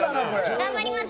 頑張ります！